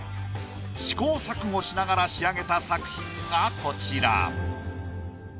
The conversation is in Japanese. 試行錯誤しながら仕上げた作品がこちら。